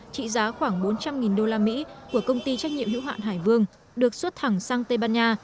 trị giá khoảng bốn trăm linh usd của công ty trách nhiệm hữu hạn hải vương được xuất thẳng sang tây ban nha